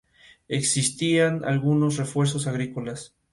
Existían algunos esfuerzos agrícolas.